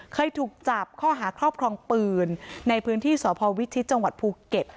เคยถูกจับข้อหาครอบครองปืนในพื้นที่สพวิชิตจังหวัดภูเก็ต